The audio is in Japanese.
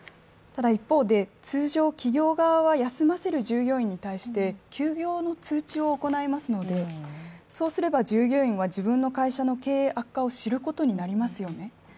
ただ一方で、通常、企業側は休ませる従業員に対して休業の通知を行いますので、そうすれば従業員は自分の会社の経営悪化を知ることになりますよね。